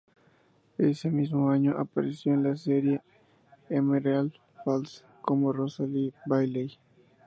Ese mismo año apareció en la serie "Emerald Falls" como Rosalie Bailey.